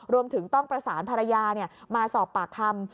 รวมถึงต้องประสานภรรยามาสอบปากคำ